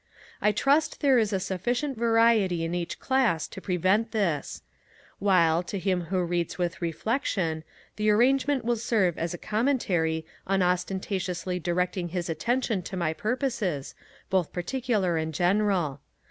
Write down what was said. I trust there is a sufficient variety in each class to prevent this; while, for him who reads with reflection, the arrangement will serve as a commentary unostentatiously directing his attention to my purposes, both particular and general.